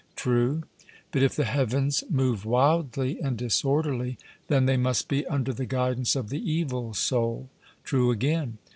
'True.' But if the heavens move wildly and disorderly, then they must be under the guidance of the evil soul. 'True again.'